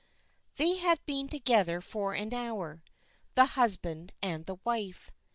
They had been together for an hour, the husband and the wife.